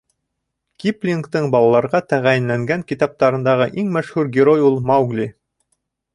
Киплингтың балаларға тәғәйенләнгән китаптарындағы иң мәшһүр герой ул — Маугли.